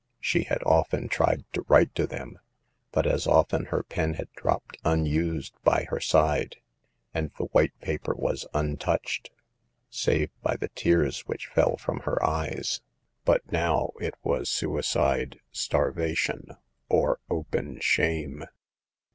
She had often tried to write to them, but as often her pen had dropped unused by her side, and the white paper was untouched, save by the A PAGE FROM HEAL LIE'S. 21 tears which fell from her eyes. But now it was suicide, starvation or open shame.